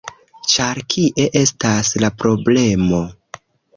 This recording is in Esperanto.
ĉar kie estas la problemo.